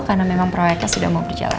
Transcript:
karena memang proyeknya sudah mau berjalan